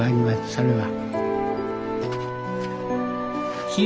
それは。